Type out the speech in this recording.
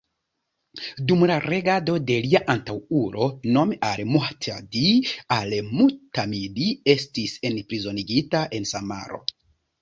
Dum la regado de lia antaŭulo, nome al-Muhtadi, al-Mu'tamid estis enprizonigita en Samaro.